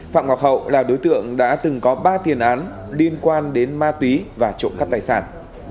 phạm ngọc hậu là đối tượng đã từng có ba tiền án liên quan đến ma túy và trộm cắp tài sản